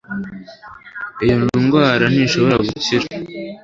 iyo ndwara ntishobora gukira